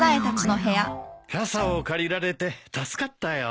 傘を借りられて助かったよ。